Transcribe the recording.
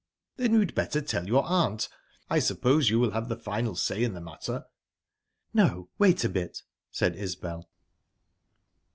"Then you'd better tell your aunt. I suppose you will have the final say in the matter." "No, wait a bit," said Isbel.